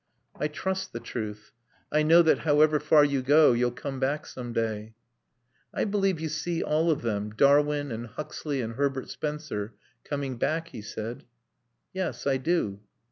"I trust the truth. I know that, however far you go, you'll come back some day." "I believe you see all of them Darwin and Huxley and Herbert Spencer coming back," he said. "Yes, I do."